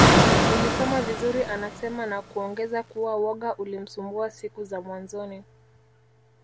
Nilisoma vizuri anasema na kuongeza kuwa woga ulimsumbua siku za mwanzoni